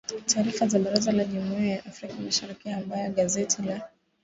Taarifa ya Baraza la jumuia ya Afrika mashariki ambayo gazeti la